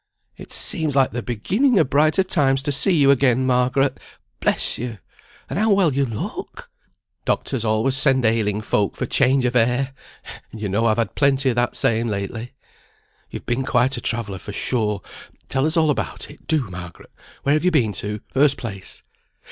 "It seems like the beginning o' brighter times, to see you again, Margaret. Bless you! And how well you look!" "Doctors always send ailing folk for change of air! and you know I've had plenty o' that same lately." "You've been quite a traveller for sure! Tell us all about it, do, Margaret. Where have you been to, first place?"